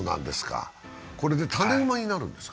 これで種馬になるんですか？